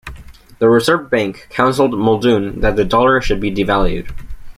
The Reserve Bank counselled Muldoon that the dollar should be devalued.